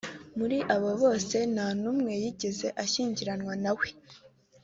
muri aba bose nta n’umwe yigeze ashyingiranwa na we